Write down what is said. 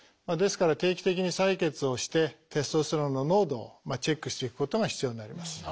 ですから定期的に採血をしてテストステロンの濃度をチェックしていくことが必要になります。